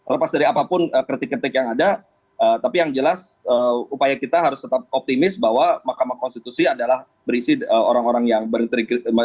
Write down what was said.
lepas dari apapun kritik kritik yang ada tapi yang jelas upaya kita harus tetap optimis bahwa mahkamah konstitusi adalah berisi orang orang yang berinterima